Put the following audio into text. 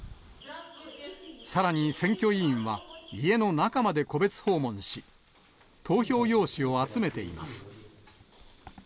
さらに選挙委員は家の中まで個別訪問し、投票用紙を集めています。